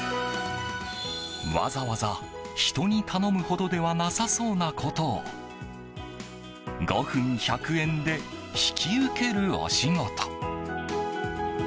わざわざ人に頼むほどではなさそうなことを５分１００円で引き受けるお仕事。